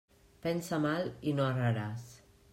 Pensa mal i no erraràs.